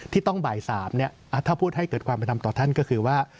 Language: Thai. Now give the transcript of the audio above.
ที่ต้องบ่าย๓ถ้าพูดให้เกิดความเป็นธรรมต่อท่านก็คือว่า